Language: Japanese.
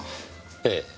ええ。